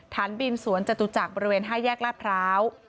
ฐานบินสวนจตุจักรบริเวณ๕แยกลาดพร้าว